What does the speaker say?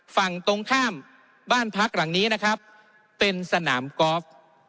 ฝั่งตรงข้ามบ้านพักหลังนี้นะครับเป็นสนามกอล์ฟ